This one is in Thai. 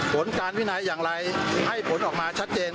ผลการวินัยอย่างไรให้ผลออกมาชัดเจน